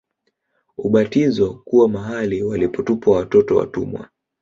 Ubatizo kuwa mahali walipotupwa watoto watumwa